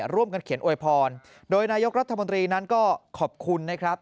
ร่วมกันเขียนอวยพรโดยนายกรัฐมนตรีนั้นก็ขอบคุณนะครับ